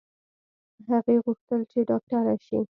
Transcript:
هغې غوښتل چې ډاکټره شي